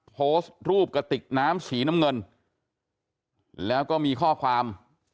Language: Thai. โพสต์รูปกระติกน้ำสีน้ำเงินแล้วก็มีข้อความ